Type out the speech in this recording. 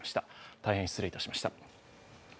大変失礼いたしました。